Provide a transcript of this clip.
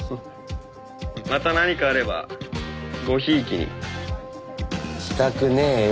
「また何かあればごひいきに」したくねえよ